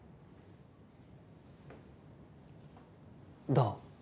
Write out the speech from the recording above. どう？